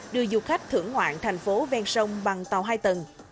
đưa du khách thưởng ngoạn thành phố ven sông bằng tàu hai tầng